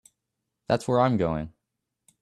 That's where I'm going.